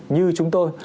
như chúng tôi